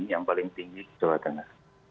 yang paling tinggi di jawa tengah